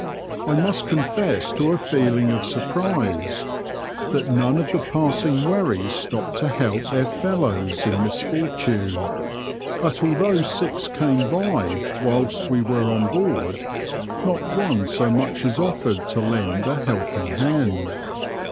I must confess to a feeling of surprise that none of the passing wherries stopped to help their fellows in mis fortune, but although six came by whilst we were on board, not one so much as offered to lend a helping hand.